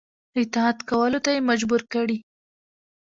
اطاعت کولو ته یې مجبور کړي.